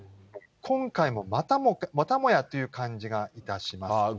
今回もまたもやという感じがいたします。